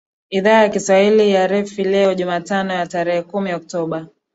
a idhaa ya kiswahili ya rfi leo jumatano ya tarehe kumi oktoba